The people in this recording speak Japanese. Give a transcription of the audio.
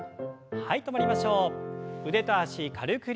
はい。